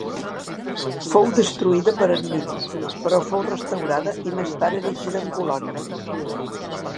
Fou destruïda per Anníbal, però fou restaurada i més tard erigida en colònia.